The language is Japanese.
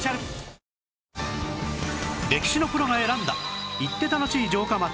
歴史のプロが選んだ行って楽しい城下町